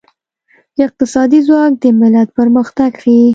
اقتصادي ځواک د ملت پرمختګ ښيي.